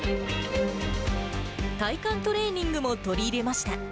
体幹トレーニングも取り入れました。